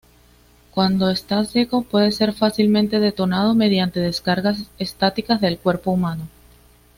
Cuando está seco, puede ser fácilmente detonado mediante descargas estáticas del cuerpo humano.